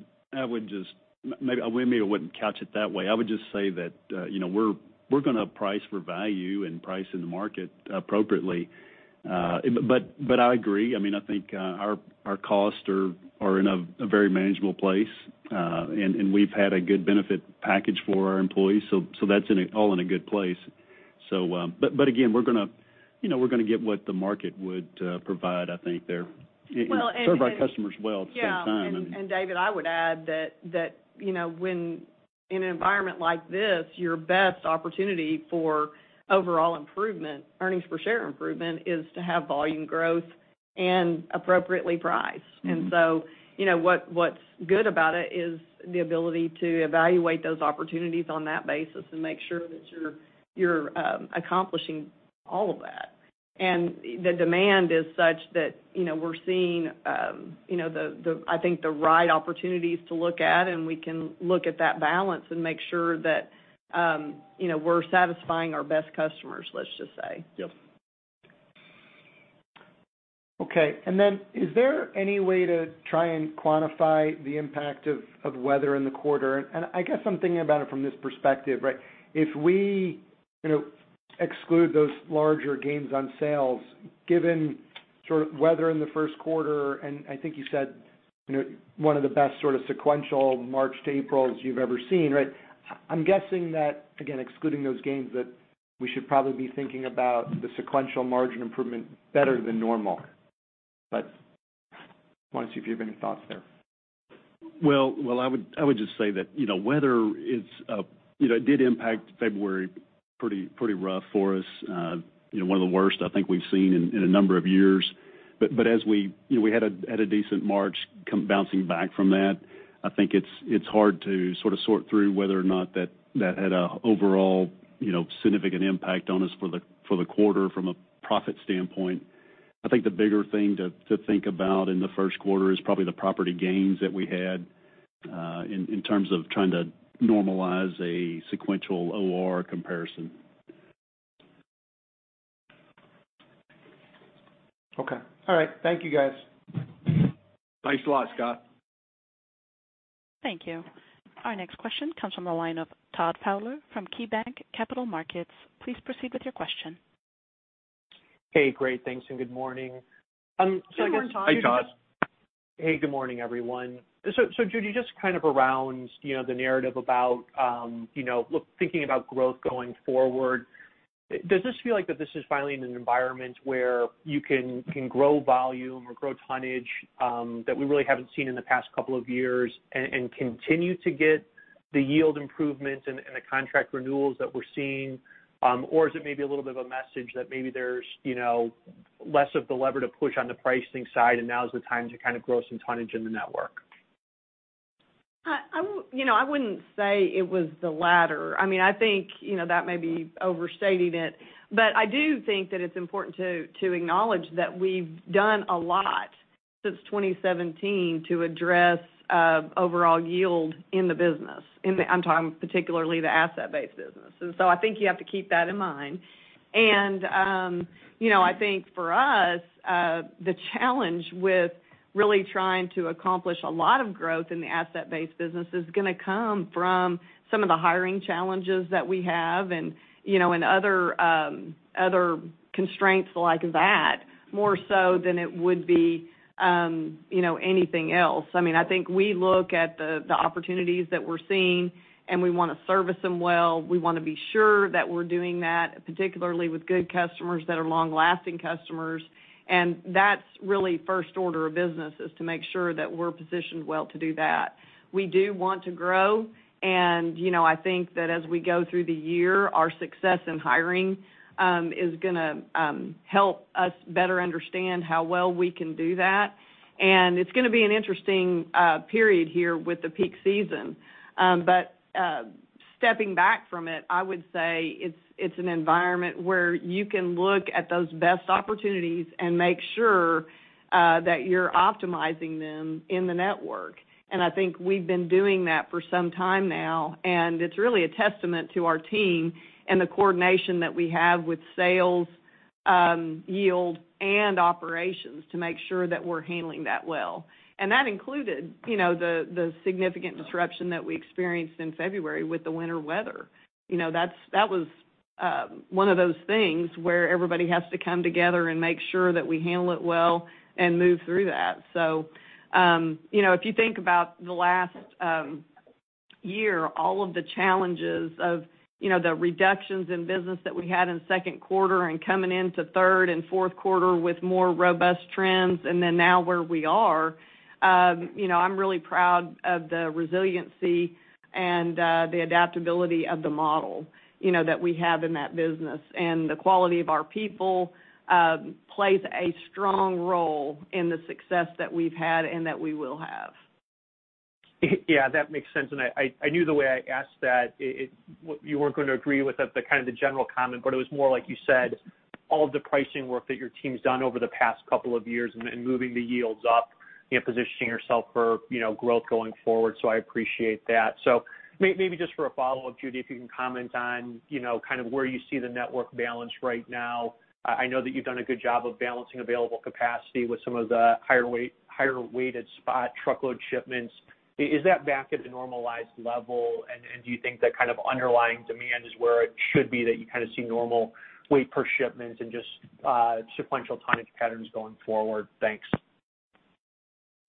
S4: just—maybe I wouldn't catch it that way. I would just say that, you know, we're going to price for value and price in the market appropriately. But I agree. I mean, I think our costs are in a very manageable place, and we've had a good benefit package for our employees, so that's—all in a good place. So, but again, you know, we're going to get what the market would provide, I think, there.
S3: Well, and...
S4: Serve our customers well at the same time.
S3: Yeah. And, David, I would add that, you know, when in an environment like this, your best opportunity for overall improvement, earnings per share improvement, is to have volume growth and appropriately priced. And so, you know, what's good about it is the ability to evaluate those opportunities on that basis and make sure that you're accomplishing all of that. The demand is such that, you know, we're seeing, you know, the, I think, the right opportunities to look at, and we can look at that balance and make sure that, you know, we're satisfying our best customers, let's just say.
S4: Yep.
S7: Okay. And then is there any way to try and quantify the impact of weather in the quarter? And I guess I'm thinking about it from this perspective, right? If we, you know, exclude those larger gains on sales, given sort of weather in the first quarter, and I think you said, you know, one of the best sort of sequential March to Aprils you've ever seen, right? I'm guessing that, again, excluding those gains, that we should probably be thinking about the sequential margin improvement better than normal. But I want to see if you have any thoughts there.
S4: Well, well, I would, I would just say that, you know, weather is a-- you know, it did impact February pretty, pretty rough for us. You know, one of the worst I think we've seen in, in a number of years. But as we... You know, we had a decent March come bouncing back from that. I think it's hard to sort of sort through whether or not that had a overall, you know, significant impact on us for the quarter from a profit standpoint.... I think the bigger thing to think about in the first quarter is probably the property gains that we had, in terms of trying to normalize a sequential OR comparison.
S7: Okay. All right. Thank you, guys.
S4: Thanks a lot, Scott.
S1: Thank you. Our next question comes from the line of Todd Fowler from KeyBank Capital Markets. Please proceed with your question.
S10: Hey, great, thanks, and good morning. So I guess-
S3: Good morning, Todd.
S4: Hi, Todd.
S10: Hey, good morning, everyone. So, Judy, just kind of around, you know, the narrative about, you know, look, thinking about growth going forward, does this feel like that this is finally in an environment where you can, you can grow volume or grow tonnage, that we really haven't seen in the past couple of years, and continue to get the yield improvements and, and the contract renewals that we're seeing? Or is it maybe a little bit of a message that maybe there's, you know, less of the lever to push on the pricing side, and now is the time to kind of grow some tonnage in the network?
S3: I wouldn't say it was the latter. I mean, I think, you know, that may be overstating it, but I do think that it's important to acknowledge that we've done a lot since 2017 to address overall yield in the business, in the-- I'm talking particularly the Asset-Based business. And so I think you have to keep that in mind. And, you know, I think for us, the challenge with really trying to accomplish a lot of growth in the Asset-Based business is gonna come from some of the hiring challenges that we have and, you know, and other other constraints like that, more so than it would be, you know, anything else. I mean, I think we look at the the opportunities that we're seeing, and we wanna service them well. We wanna be sure that we're doing that, particularly with good customers that are long-lasting customers. That's really first order of business, is to make sure that we're positioned well to do that. We do want to grow, and, you know, I think that as we go through the year, our success in hiring is gonna help us better understand how well we can do that. And it's gonna be an interesting period here with the peak season. But stepping back from it, I would say it's an environment where you can look at those best opportunities and make sure that you're optimizing them in the network. And I think we've been doing that for some time now, and it's really a testament to our team and the coordination that we have with sales, yield, and operations to make sure that we're handling that well. And that included, you know, the significant disruption that we experienced in February with the winter weather. You know, that was one of those things where everybody has to come together and make sure that we handle it well and move through that. So, you know, if you think about the last year, all of the challenges of, you know, the reductions in business that we had in second quarter and coming into third and fourth quarter with more robust trends, and then now where we are, you know, I'm really proud of the resiliency and the adaptability of the model, you know, that we have in that business. And the quality of our people plays a strong role in the success that we've had and that we will have.
S10: Yeah, that makes sense, and I knew the way I asked that, it you weren't gonna agree with it, the kind of the general comment, but it was more like you said, all of the pricing work that your team's done over the past couple of years and, and moving the yields up and positioning yourself for, you know, growth going forward. So I appreciate that. So maybe just for a follow-up, Judy, if you can comment on, you know, kind of where you see the network balance right now. I know that you've done a good job of balancing available capacity with some of the higher weighted spot, truckload shipments. Is that back at the normalized level? Do you think that kind of underlying demand is where it should be, that you kind of see normal weight per shipments and just sequential tonnage patterns going forward? Thanks.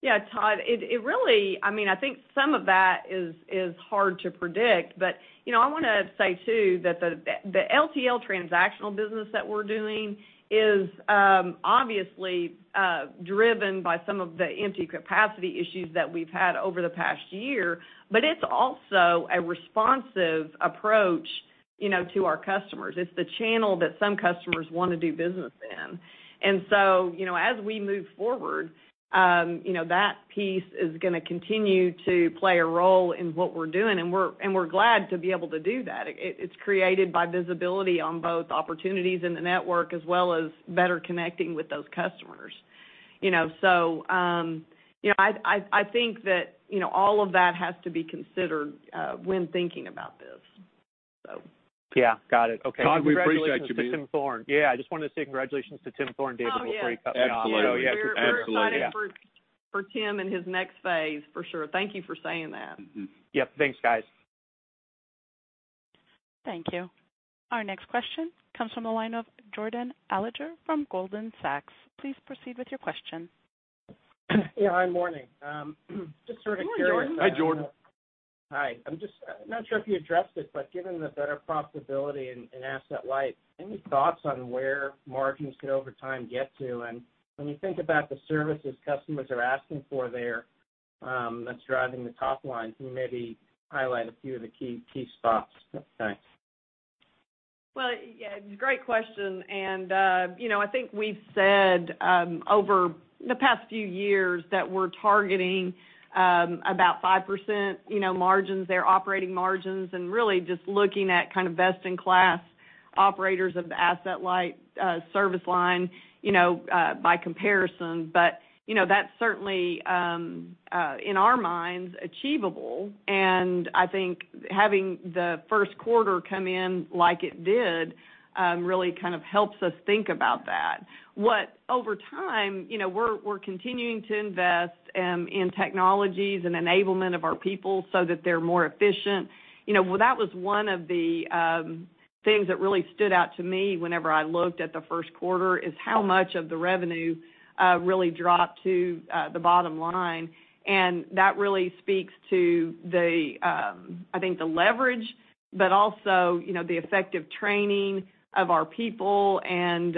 S3: Yeah, Todd, it really... I mean, I think some of that is hard to predict. But, you know, I wanna say, too, that the LTL transactional business that we're doing is obviously driven by some of the empty capacity issues that we've had over the past year, but it's also a responsive approach, you know, to our customers. It's the channel that some customers wanna do business in. And so, you know, as we move forward, you know, that piece is gonna continue to play a role in what we're doing, and we're glad to be able to do that. It's created by visibility on both opportunities in the network as well as better connecting with those customers. You know, so, you know, I think that, you know, all of that has to be considered, when thinking about this, so.
S10: Yeah, got it. Okay.
S4: Todd, we appreciate you.
S10: Congratulations to Tim Thorne. Yeah, I just wanted to say congratulations to Tim Thorne, David-
S3: Oh, yeah.
S4: Absolutely.
S10: Before he cuts off.
S4: Absolutely.
S3: We're excited for Tim and his next phase, for sure. Thank you for saying that.
S10: Yep. Thanks, guys.
S1: Thank you. Our next question comes from the line of Jordan Alliger from Goldman Sachs. Please proceed with your question.
S11: Yeah, hi, morning. Just sort of curious-
S3: Good morning, Jordan.
S4: Hi, Jordan.
S11: Hi. I'm just not sure if you addressed this, but given the better profitability in Asset-Light, any thoughts on where margins could, over time, get to? And when you think about the services customers are asking for there, that's driving the top line, can you maybe highlight a few of the key, key spots? Thanks.
S3: Well, yeah, great question, and, you know, I think we've said, over the past few years that we're targeting, about 5%, you know, margins there, operating margins, and really just looking at kind of best-in-class operators of the Asset-Light service line, you know, by comparison. But, you know, that's certainly, in our minds, achievable, and I think having the first quarter come in like it did, really kind of helps us think about that. Over time, you know, we're continuing to invest, in technologies and enablement of our people so that they're more efficient. You know, well, that was one of the things that really stood out to me whenever I looked at the first quarter, is how much of the revenue really dropped to the bottom line. And that really speaks to the, I think, the leverage, but also, you know, the effective training of our people and,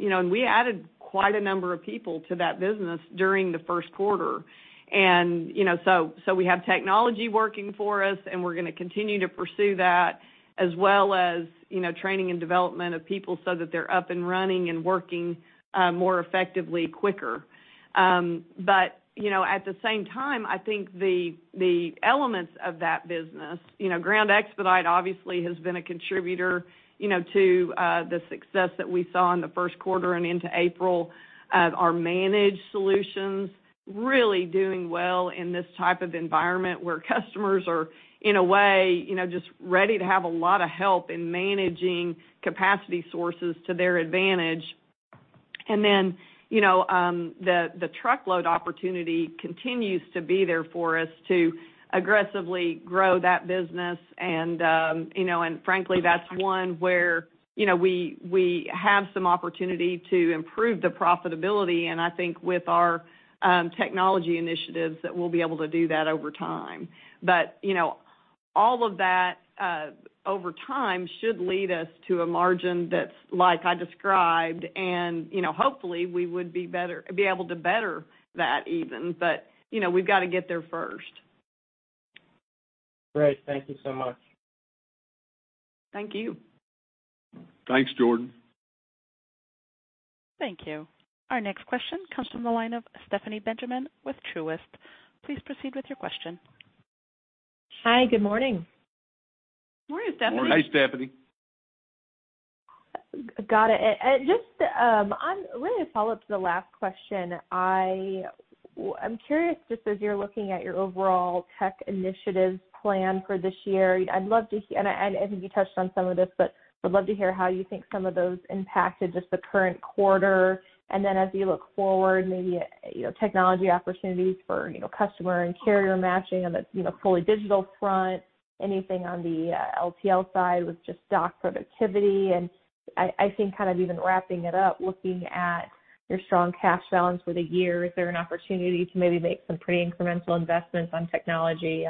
S3: you know, and we added quite a number of people to that business during the first quarter. And, you know, so we have technology working for us, and we're gonna continue to pursue that as well as, you know, training and development of people so that they're up and running and working more effectively quicker. But, you know, at the same time, I think the elements of that business, you know, Ground Expedite obviously has been a contributor, you know, to the success that we saw in the first quarter and into April. Our Managed Solutions really doing well in this type of environment, where customers are, in a way, you know, just ready to have a lot of help in managing capacity sources to their advantage. And then, you know, the truckload opportunity continues to be there for us to aggressively grow that business. And, you know, and frankly, that's one where, you know, we have some opportunity to improve the profitability, and I think with our technology initiatives, that we'll be able to do that over time. But, you know, all of that, over time, should lead us to a margin that's like I described, and, you know, hopefully, we would be better be able to better that even. But, you know, we've got to get there first.
S11: Great. Thank you so much.
S3: Thank you.
S12: Thanks, Jordan.
S1: Thank you. Our next question comes from the line of Stephanie Benjamin with Truist. Please proceed with your question.
S13: Hi, good morning.
S3: Morning, Stephanie.
S12: Morning. Hi, Stephanie.
S13: Got it. Just, I'm really to follow up to the last question. I'm curious, just as you're looking at your overall tech initiatives plan for this year, I'd love to hear, and you touched on some of this, but I'd love to hear how you think some of those impacted just the current quarter. And then as you look forward, maybe, you know, technology opportunities for, you know, customer and carrier matching on the, you know, fully digital front, anything on the LTL side with just dock productivity. And I think kind of even wrapping it up, looking at your strong cash balance for the year, is there an opportunity to maybe make some pretty incremental investments on technology,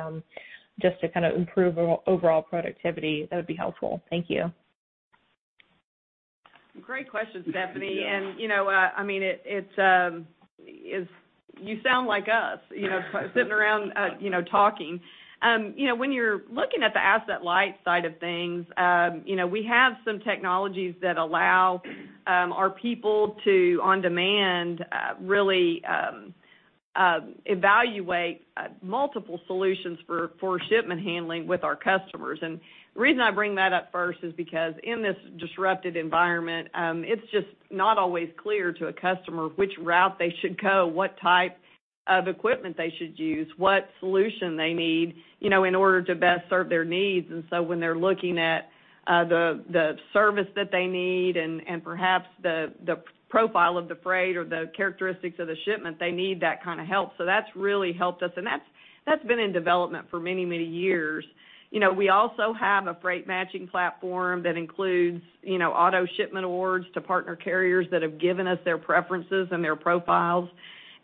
S13: just to kind of improve overall productivity? That would be helpful. Thank you.
S3: Great question, Stephanie.
S12: Yeah.
S3: And, you know, I mean, you sound like us, you know, sitting around, you know, talking. You know, when you're looking at the asset light side of things, you know, we have some technologies that allow our people to, on demand, really evaluate multiple solutions for shipment handling with our customers. And the reason I bring that up first is because in this disrupted environment, it's just not always clear to a customer which route they should go, what type of equipment they should use, what solution they need, you know, in order to best serve their needs. And so when they're looking at the service that they need and perhaps the profile of the freight or the characteristics of the shipment, they need that kind of help. So that's really helped us, and that's, that's been in development for many, many years. You know, we also have a freight matching platform that includes, you know, auto shipment awards to partner carriers that have given us their preferences and their profiles.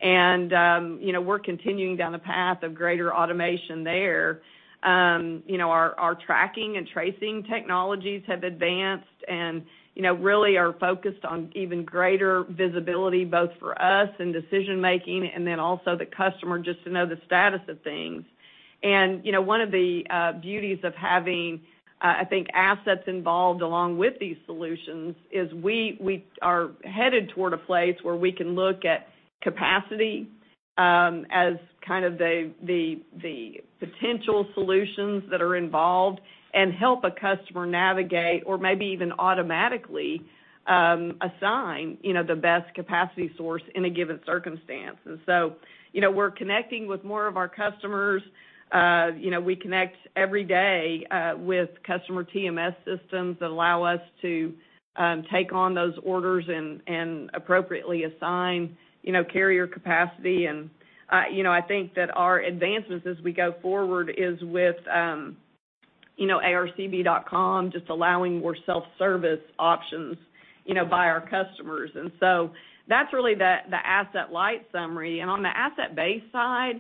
S3: And, you know, we're continuing down the path of greater automation there. You know, our, our tracking and tracing technologies have advanced and, you know, really are focused on even greater visibility, both for us and decision making, and then also the customer just to know the status of things. You know, one of the beauties of having, I think, assets involved along with these solutions is we are headed toward a place where we can look at capacity as kind of the potential solutions that are involved and help a customer navigate or maybe even automatically assign, you know, the best capacity source in a given circumstance. And so, you know, we're connecting with more of our customers. You know, we connect every day with customer TMS systems that allow us to take on those orders and appropriately assign, you know, carrier capacity. And, you know, I think that our advancements as we go forward is with, you know, arcb.com, just allowing more self-service options, you know, by our customers. And so that's really the asset light summary. On the Asset-Based side,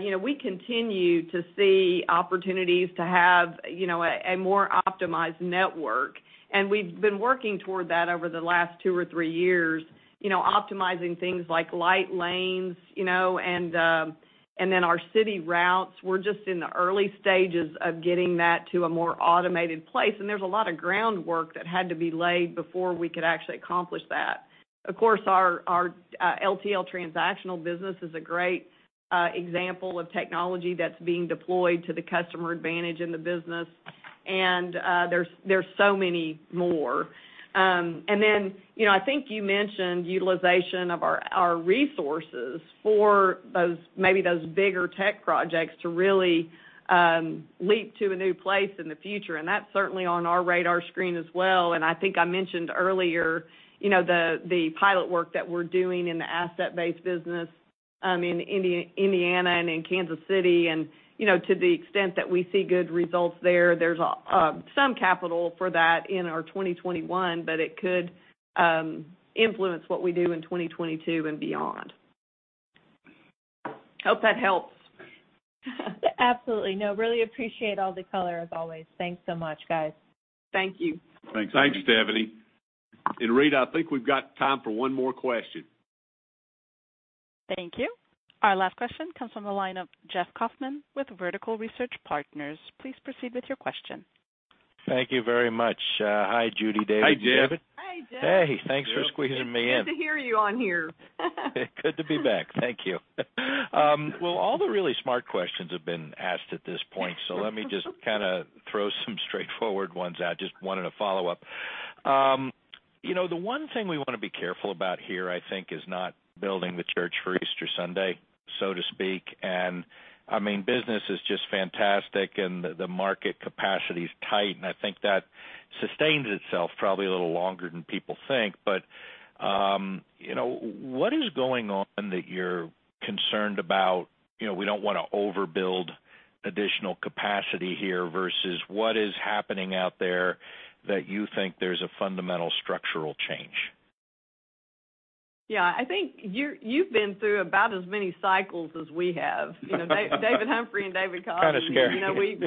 S3: you know, we continue to see opportunities to have, you know, a more optimized network, and we've been working toward that over the last two or three years. You know, optimizing things like light lanes, you know, and, and then our city routes. We're just in the early stages of getting that to a more automated place, and there's a lot of groundwork that had to be laid before we could actually accomplish that. Of course, our LTL transactional business is a great example of technology that's being deployed to the customer advantage in the business... and, there's so many more. And then, you know, I think you mentioned utilization of our resources for those, maybe those bigger tech projects to really leap to a new place in the future, and that's certainly on our radar screen as well. And I think I mentioned earlier, you know, the pilot work that we're doing in the Asset-Based business, in Indiana and in Kansas City. And, you know, to the extent that we see good results there, there's some capital for that in our 2021, but it could influence what we do in 2022 and beyond. Hope that helps.
S13: Absolutely. No, really appreciate all the color, as always. Thanks so much, guys.
S3: Thank you.
S2: Thanks, Stephanie. And Rita, I think we've got time for one more question.
S1: Thank you. Our last question comes from the line of Jeff Kauffman with Vertical Research Partners. Please proceed with your question.
S12: Thank you very much. Hi, Judy, David-
S2: Hi, Jeff.
S3: Hi, Jeff.
S12: Hey, thanks for squeezing me in.
S3: Good to hear you on here.
S12: Good to be back. Thank you. Well, all the really smart questions have been asked at this point, so let me just kinda throw some straightforward ones out. Just wanted to follow up. You know, the one thing we wanna be careful about here, I think, is not building the church for Easter Sunday, so to speak. And, I mean, business is just fantastic, and the market capacity is tight, and I think that sustains itself probably a little longer than people think. But, you know, what is going on that you're concerned about, you know, we don't wanna overbuild additional capacity here, versus what is happening out there that you think there's a fundamental structural change?
S3: Yeah, I think you've been through about as many cycles as we have. You know, David Humphrey and David Cobb-
S12: Kinda scary.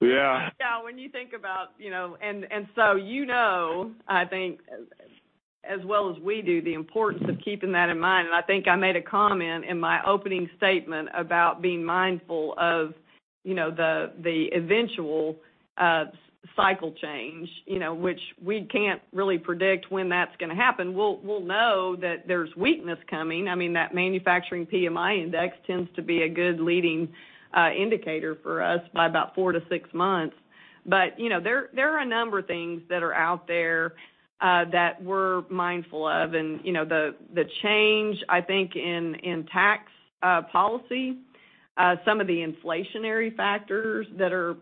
S2: Yeah.
S3: So when you think about, you know, and so you know, I think as well as we do the importance of keeping that in mind. And I think I made a comment in my opening statement about being mindful of, you know, the eventual cycle change, you know, which we can't really predict when that's gonna happen. We'll know that there's weakness coming. I mean, that manufacturing PMI index tends to be a good leading indicator for us by about 4-6 months. But you know, there are a number of things that are out there that we're mindful of. And you know, the change, I think, in tax policy, some of the inflationary factors that are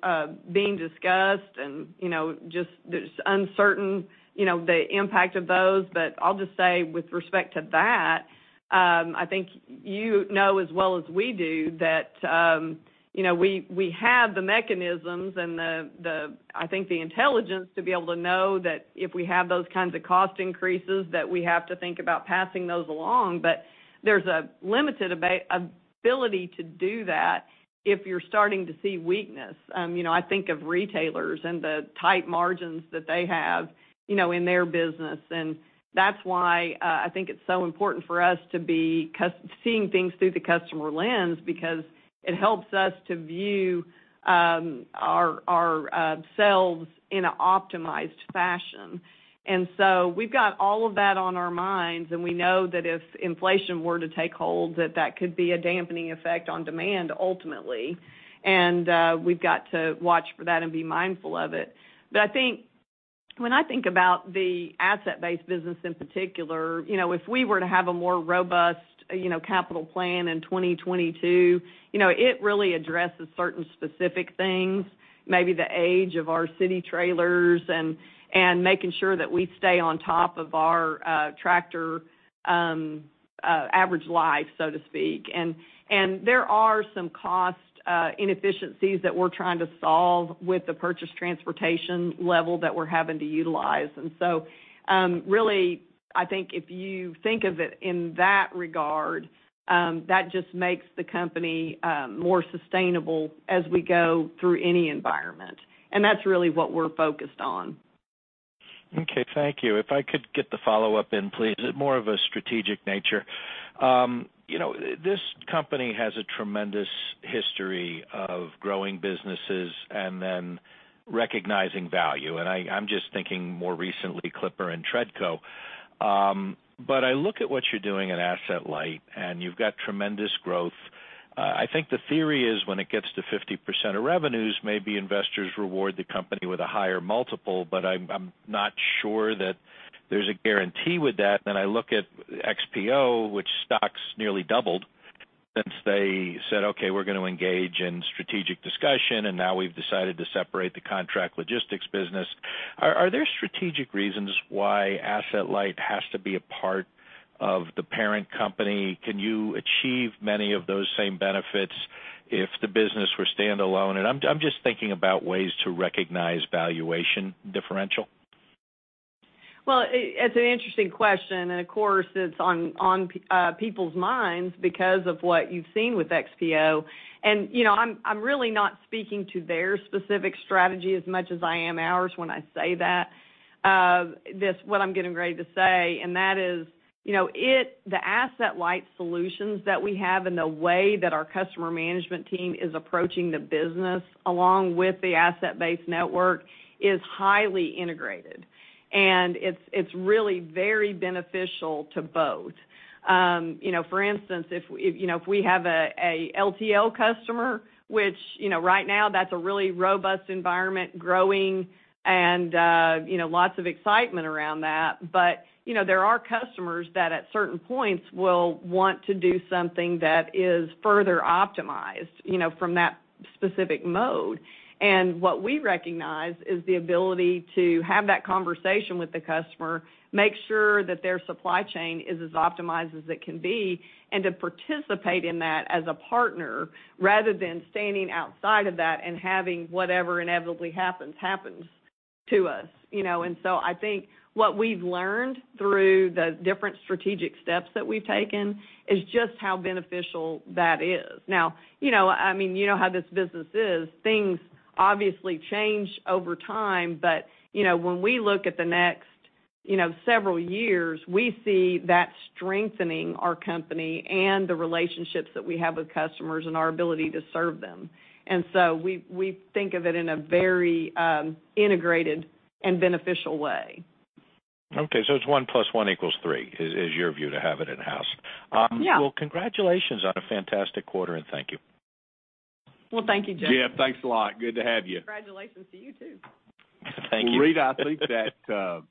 S3: being discussed and you know, just there's uncertain, you know, the impact of those. But I'll just say, with respect to that, I think you know as well as we do that, you know, we have the mechanisms and the, I think, the intelligence to be able to know that if we have those kinds of cost increases, that we have to think about passing those along. But there's a limited availability to do that if you're starting to see weakness. You know, I think of retailers and the tight margins that they have, you know, in their business. And that's why, I think it's so important for us to be customer-seeing things through the customer lens, because it helps us to view our ourselves in an optimized fashion. And so we've got all of that on our minds, and we know that if inflation were to take hold, that that could be a dampening effect on demand, ultimately. And we've got to watch for that and be mindful of it. But I think when I think about the Asset-Based business in particular, you know, if we were to have a more robust, you know, capital plan in 2022, you know, it really addresses certain specific things, maybe the age of our city trailers and making sure that we stay on top of our tractor average life, so to speak. And there are some cost inefficiencies that we're trying to solve with the purchased transportation level that we're having to utilize. And so, really, I think if you think of it in that regard, that just makes the company, more sustainable as we go through any environment. That's really what we're focused on.
S12: Okay, thank you. If I could get the follow-up in, please. It's more of a strategic nature. You know, this company has a tremendous history of growing businesses and then recognizing value, and I, I'm just thinking more recently, Clipper and Treadco. But I look at what you're doing in Asset-Light, and you've got tremendous growth. I think the theory is when it gets to 50% of revenues, maybe investors reward the company with a higher multiple, but I'm, I'm not sure that there's a guarantee with that. Then I look at XPO, which stocks nearly doubled since they said, "Okay, we're going to engage in strategic discussion, and now we've decided to separate the contract logistics business." Are, are there strategic reasons why Asset-Light has to be a part of the parent company? Can you achieve many of those same benefits if the business were standalone? And I'm just thinking about ways to recognize valuation differential.
S3: Well, it's an interesting question, and of course, it's on people's minds because of what you've seen with XPO. And, you know, I'm really not speaking to their specific strategy as much as I am ours when I say that. This, what I'm getting ready to say, and that is, you know, the Asset-Light solutions that we have and the way that our customer management team is approaching the business, along with the Asset-Based network, is highly integrated, and it's really very beneficial to both. You know, for instance, if we have a LTL customer, which, you know, right now that's a really robust environment, growing and, you know, lots of excitement around that. But, you know, there are customers that, at certain points, will want to do something that is further optimized, you know, from that specific mode. And what we recognize is the ability to have that conversation with the customer, make sure that their supply chain is as optimized as it can be, and to participate in that as a partner, rather than standing outside of that and having whatever inevitably happens, happens to us, you know? And so I think what we've learned through the different strategic steps that we've taken is just how beneficial that is. Now, you know, I mean, you know how this business is. Things obviously change over time, but, you know, when we look at the next, you know, several years, we see that strengthening our company and the relationships that we have with customers and our ability to serve them. And so we think of it in a very integrated and beneficial way.
S12: Okay, so it's 1 + 1 = 3, is your view to have it in-house?
S3: Yeah.
S12: Well, congratulations on a fantastic quarter, and thank you.
S3: Well, thank you, Jeff.
S2: Jeff, thanks a lot. Good to have you.
S3: Congratulations to you, too.
S12: Thank you.
S2: Well, Rita, I think that,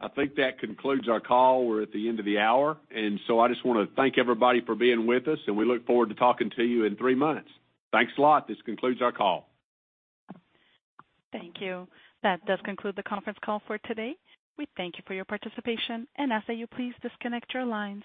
S2: I think that concludes our call. We're at the end of the hour, and so I just wanna thank everybody for being with us, and we look forward to talking to you in three months. Thanks a lot. This concludes our call.
S1: Thank you. That does conclude the conference call for today. We thank you for your participation, and I ask that you please disconnect your lines.